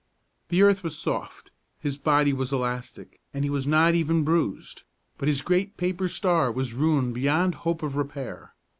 The earth was soft, his body was elastic, and he was not even bruised; but his great paper star was ruined beyond hope of repair.